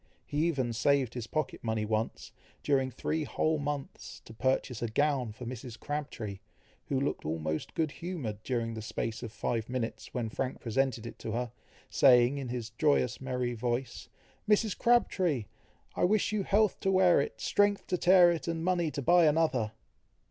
He even saved his pocket money once, during three whole months, to purchase a gown for Mrs. Crabtree, who looked almost good humoured during the space of five minutes, when Frank presented it to her, saying, in his joyous merry voice, "Mrs. Crabtree! I wish you health to wear it, strength to tear it, and money to buy another!"